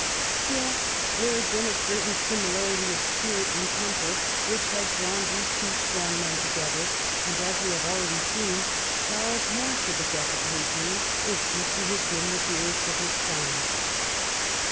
Still there had been a certain similarity of spirit and temper which had drawn these two strong men together, and, as we have already seen, Charles mourned for the death of Hadrian as if he had been the dearest of his sons.